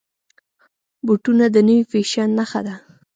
بوټونه د نوي فیشن نښه ده.